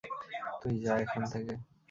তুই যা এখান থেকে।